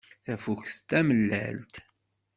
Tafukt d tamellalt.